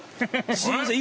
すいません。